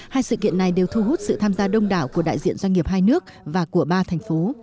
hai sự kiện này đều thu hút sự tham gia đông đảo của đại diện doanh nghiệp hai nước và của ba thành phố